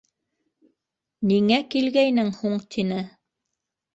— Ниңә килгәйнең һуң? — тине.